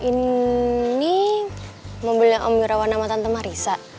bi ini mobilnya om irawan sama tante marisa